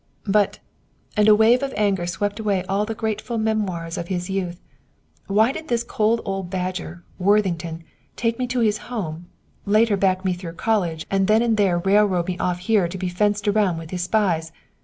"But," and a wave of anger swept away all the grateful memoirs of his youth, "why did this cool old badger, Worthington, take me to his home, later back me through college, and then, and there railroad me off here to be fenced around with his spies?